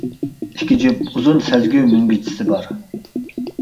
ئىككى جۈپ ئۇزۇن سەزگۈ مۈڭگۈزچىسى بار.